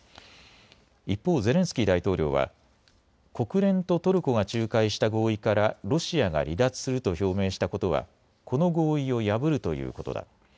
一方、ゼレンスキー大統領は国連とトルコが仲介した合意からロシアが離脱すると表明したことはこの合意を破るということだ。